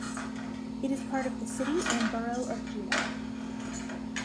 It is part of the City and Borough of Juneau.